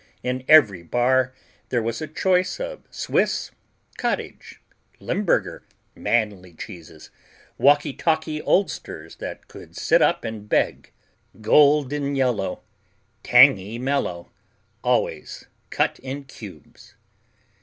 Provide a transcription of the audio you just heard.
In every bar there was a choice of Swiss, Cottage, Limburger manly cheeses, walkie talkie oldsters that could sit up and beg, golden yellow, tangy mellow, always cut in cubes.